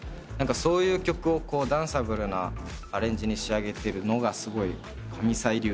そういう曲をダンサブルなアレンジに仕上げてるのがすごい神サイ流というか。